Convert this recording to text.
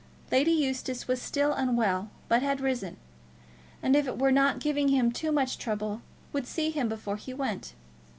Lady Eustace was still unwell, but had risen; and if it were not giving him too much trouble, would see him before he went.